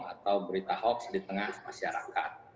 atau berita hoax di tengah masyarakat